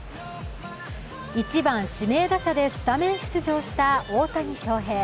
１番・指名打者でスタメン出場した大谷翔平。